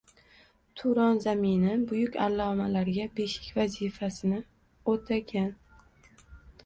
Turon zamini buyuk allomalarga beshik vazifasini o‘tagan.